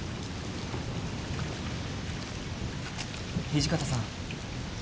土方さん。